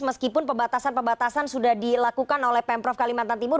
meskipun pembatasan pembatasan sudah dilakukan oleh pemprov kalimantan timur